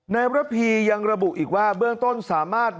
ในระพียังระบุอีกว่าเบื้องต้นสามารถ